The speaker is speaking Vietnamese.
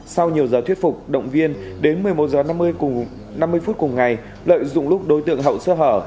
sau nhiều giờ thuyết phục động viên đến một mươi một h năm mươi cùng năm mươi phút cùng ngày lợi dụng lúc đối tượng hậu sơ hở